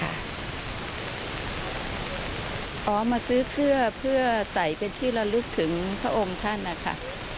เอามาซื้อเสื้อเพื่อใส่เป็นที่ละลึกถึงพระองค์ท่านนะคะ